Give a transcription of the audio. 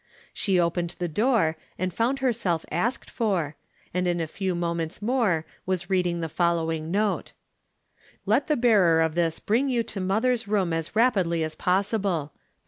She opened the door and found herself asked for, and in a few mo ments more was reading the following note :" Let the bearer of this bring you to mother's room as rapidly as possible.